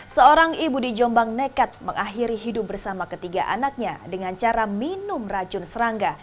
seorang ibu di jombang nekat mengakhiri hidup bersama ketiga anaknya dengan cara minum racun serangga